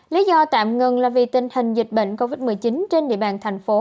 lý do tạm ngừng là vì tình hình dịch bệnh covid một mươi chín trên địa bàn thành phố